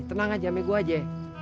tenang aja main gua aja